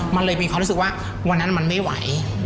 มันเลยมีความรู้สึกว่าวันนั้นมันไม่ไหว